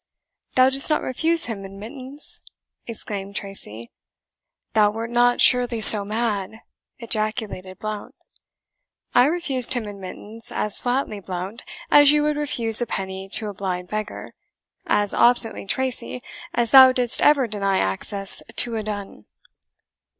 "Thou didst not refuse him admittance?" exclaimed Tracy. "Thou wert not, surely, so mad?" ejaculated Blount. "I refused him admittance as flatly, Blount, as you would refuse a penny to a blind beggar as obstinately, Tracy, as thou didst ever deny access to a dun."